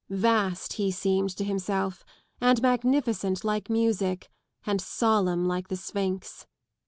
Vast he seemed to himself, and magnificent like music, and solemn like the Sphinx.